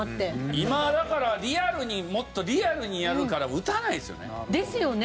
今だからリアルにもっとリアルにやるから撃たないですよね。ですよね。